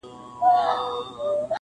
ستړي منډي به مي ستا درشل ته راوړې -